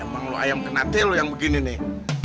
emang lu ayam kenateh lu yang begini nih